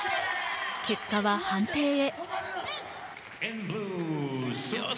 結果は判定へ。